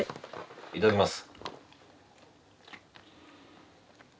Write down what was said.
いただきます。